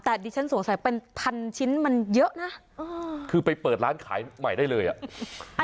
แต่ดิฉันสงสัยเป็นพันชิ้นมันเยอะนะคือไปเปิดร้านขายใหม่ได้เลยอ่ะ